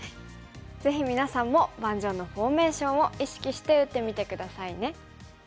ぜひみなさんも盤上のフォーメーションを意識して打ってみて下さいね。